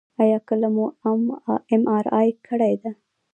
ایا کله مو ام آر آی کړې ده؟